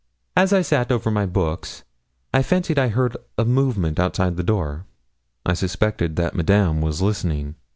As I sat over my books, I fancied I heard a movement outside the door. I suspected that Madame was listening.